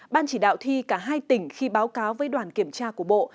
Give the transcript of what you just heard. ban chỉ đạo thi cả hai tỉnh khi báo cáo với đoàn kiểm tra của bộ